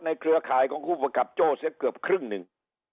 เครือข่ายของผู้ประกับโจ้เสียเกือบครึ่งหนึ่ง